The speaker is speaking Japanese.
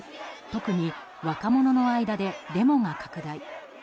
特に若者の間で、デモが拡大。